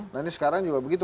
nah ini sekarang juga begitu